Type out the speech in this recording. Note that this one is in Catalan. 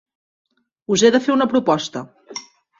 Us he de fer una proposta.